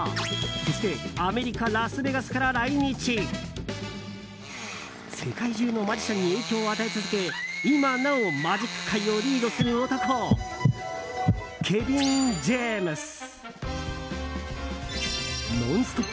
そしてアメリカ・ラスベガスから来日世界中のマジシャンに影響を与え続け今なおマジック界をリードする男ケビン・ジェームス。